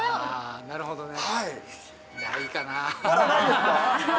なるほどね。